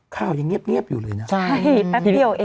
ข่าวยังเงียบอยู่เลยนะ